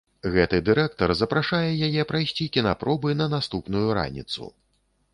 Гэты дырэктар запрашае яе прайсці кінапробы на наступную раніцу.